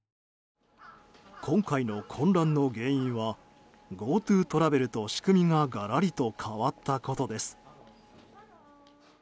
今回の混乱の原因はＧｏＴｏトラベルと仕組みががらりと変わったことです。